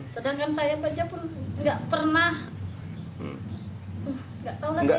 sedangkan saya baca pun nggak pernah